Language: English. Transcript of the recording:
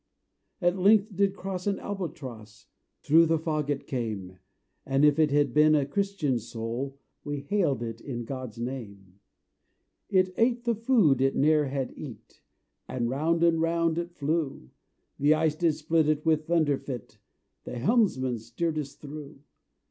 At length did cross an Albatross, Thorough the fog it came; As if it had been a Christian soul, We hailed it in God's name. It ate the food it ne'er had eat, And round and round it flew. The ice did split with a thunder fit; The helmsman steered us through!